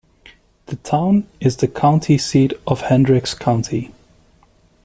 The town is the county seat of Hendricks County.